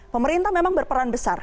pemerintah memang berperan besar